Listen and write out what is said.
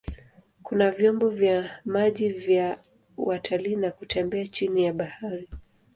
Kuna vyombo vya maji vya watalii na kutembea chini ya bahari.